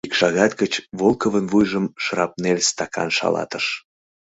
Ик шагат гыч Волковын вуйжым шрапнель стакан шалатыш.